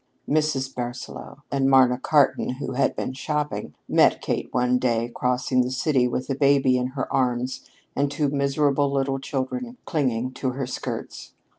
Mrs. Barsaloux and Marna Carton, who had been shopping, met Kate one day crossing the city with a baby in her arms and two miserable little children clinging to her skirts.